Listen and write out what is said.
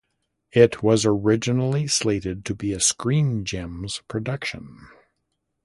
It was originally slated to be a Screen Gems production.